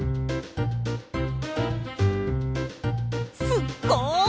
すっごい！